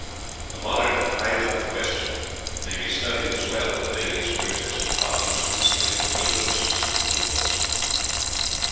The modern "Highland Question" may be studied as well in the Bailie's words as in volumes of history and wildernesses of blue books.